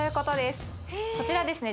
こちらですね